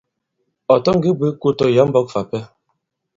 Ɔ̀ ta ngē bwě kō tɔ̀ yǎ i mbɔ̄k fà ipɛ.